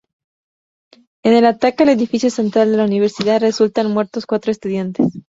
En el ataque al edificio central de la Universidad resultan muertos cuatro estudiantes.